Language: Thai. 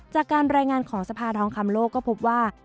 จากการรายงานของสภาทองคำโลกก็พบว่า